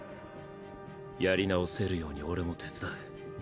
やり直せるように俺も手伝う。